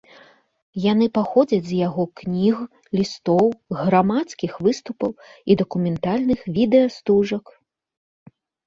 Яны паходзяць з яго кніг, лістоў, грамадскіх выступаў і дакументальных відэастужак.